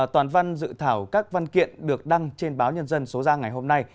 toàn văn dự thảo các văn kiện được đăng trên báo nhân dân số ra ngày hôm nay